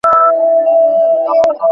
নিচের দিকে তাকাও।